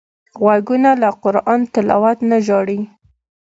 غوږونه له قران تلاوت نه ژاړي